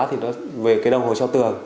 thì về cái đồng hồ treo tường